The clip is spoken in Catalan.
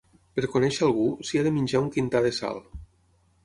Per conèixer algú, s'hi ha de menjar un quintar de sal.